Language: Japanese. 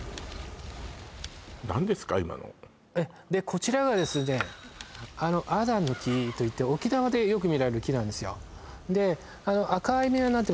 今のええでこちらがですねアダンの木といって沖縄でよく見られる木なんですよで赤い実がなってます